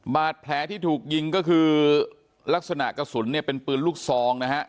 บาดแผลที่ถูกยิงก็คือลักษณะกระสุนเนี่ยเป็นปืนลูกซองนะฮะ